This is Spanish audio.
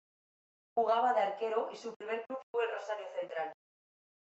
Jugaba de arquero y su primer club fue Rosario Central.